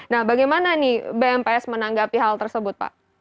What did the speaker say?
nah bagaimana nih bmps menanggapi hal tersebut pak